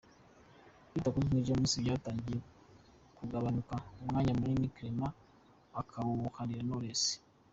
Kwita kuri King James byatangiye kugabanuka umwanya munini Clement akawuharira Knowless.